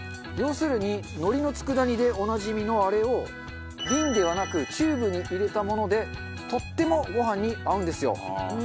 要するにのりの佃煮でおなじみのあれを瓶ではなくチューブに入れたものでとってもご飯に合うんですよ。